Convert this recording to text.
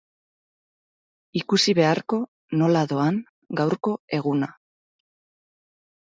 Ikusi beharko nola doan gaurko eguna.